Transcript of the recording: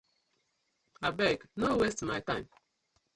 Abeg! No waste my time.